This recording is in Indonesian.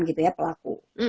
gitu ya pelaku